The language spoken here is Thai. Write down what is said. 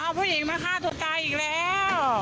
พวกนี้มาฆ่าตัวตายอีกแล้ว